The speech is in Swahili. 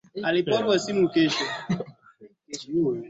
titanic ilikuwa na wafanyikazi mia tisa na nane